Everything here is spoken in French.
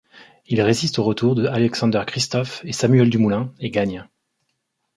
Il résiste aux retours de Alexander Kristoff et Samuel Dumoulin et gagne.